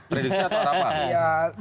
prediksi atau harapan